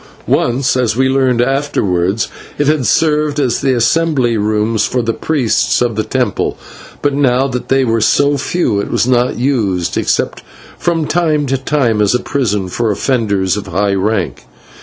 Once, as we learned afterwards, it had served as the assembly rooms for the priests of the temple, but now that they were so few it was not used, except from time to time as a prison for offenders of high rank.